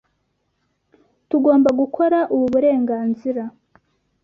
Tugomba gukora ubu burenganzira.